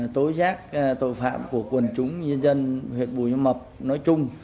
tối giác tội phạm của quần chúng nhân dân huyện bùi mập nói chung